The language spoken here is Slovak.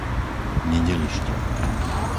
Nedelište